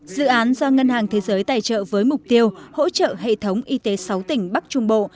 dự án do ngân hàng thế giới tài trợ với mục tiêu hỗ trợ hệ thống y tế sáu tỉnh bắc trung bộ